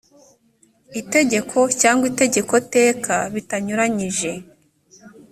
itegeko cyangwa itegeko teka bitanyuranyije